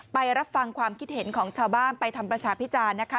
ไปรับฟังความคิดเห็นของชาวบ้านไปทำประชาพิจารณ์นะคะ